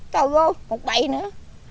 trời ơi một đầy nữa